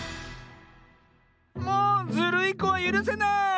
もうズルいこはゆるせない！